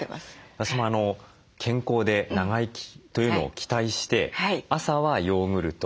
私も健康で長生きというのを期待して朝はヨーグルト